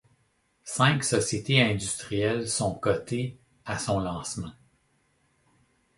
Cinq sociétés industrielles sont cotées à son lancement.